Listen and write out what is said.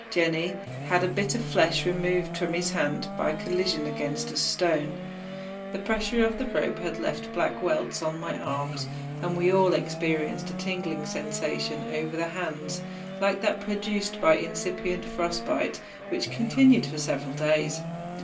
Jenni had a bit of flesh re¬ moved from his hand by collision against a stone: the pressure of the rope had left black welts on my arms; and we all experienced a tingling sensation over the hands, like that produced by incipient frost¬ bite, which continued for several days.